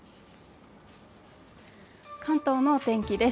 関東のお天気です